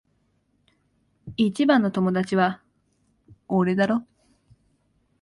一番の友達は俺だろ？